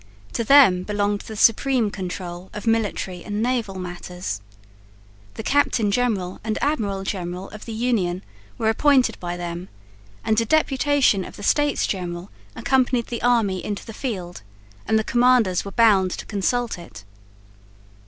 To them belonged the supreme control of military and naval matters. The Captain General and Admiral General of the Union were appointed by them; and a deputation of the States General accompanied the army into the field and the commanders were bound to consult it.